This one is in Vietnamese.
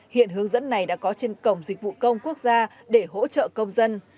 hiện hướng dẫn này đã có trên cổng dịch vụ công quốc gia để hỗ trợ công dân